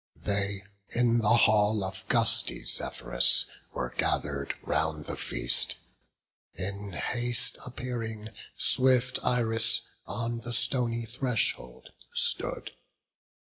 They in the hall of gusty Zephyrus Were gather'd round the feast; in haste appearing, Swift Iris on the stony threshold stood.